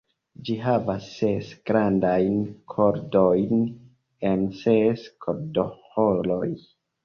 Ĝi havas ses grandajn kordojn en ses kordoĥoroj.